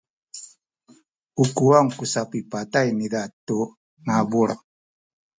u kuwang ku sapipatay niza tu ngabul.